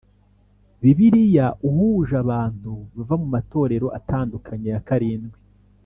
Bibiliya uhuje abantu bava mu matorero atandukanye ya karindwi